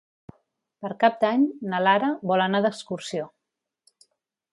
Per Cap d'Any na Lara vol anar d'excursió.